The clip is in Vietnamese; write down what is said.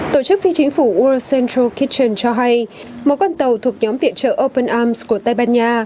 tổ chức phi chính phủ urcentral kitchen cho hay một con tàu thuộc nhóm viện trợ open arms của tây ban nha